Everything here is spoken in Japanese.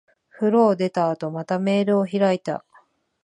風呂を出た後、またメールを開いた。